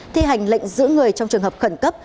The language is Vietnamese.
thi hành lệnh giữ người trong trường hợp khẩn cấp